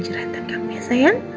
curhatan kamu ya sayang